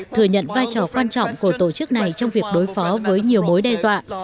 thừa nhận vai trò quan trọng của tổ chức này trong việc đối phó với nhiều mối đe dọa